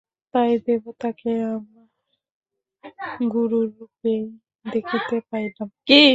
তাই দেবতাকে আমার গুরুর রূপেই দেখিতে পাইলাম।